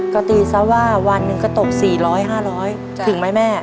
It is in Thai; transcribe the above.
ก็ตีซะว่าวันหนึ่งก็ตกสี่ร้อยห้าร้อยถึงไหมแม่